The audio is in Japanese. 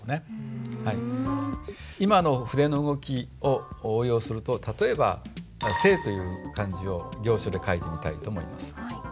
今の筆の動きを応用すると例えば「生」という漢字を行書で書いてみたいと思います。